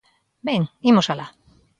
Ben, imos alá.